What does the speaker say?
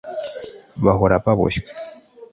bahora baboshywe